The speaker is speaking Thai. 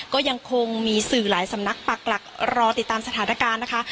ก็ยังคงมีสื่อหลายสำนักปักหลักรอติดตามสถานการณ์นะคะ